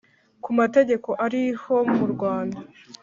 ku mategeko ariho mu Rwanda